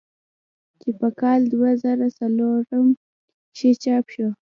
چې پۀ کال دوه زره څلورم کښې چاپ شو ۔